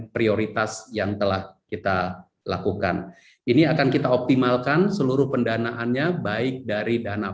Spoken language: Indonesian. prioritas yang telah kita lakukan ini akan kita optimalkan seluruh pendanaannya baik dari dana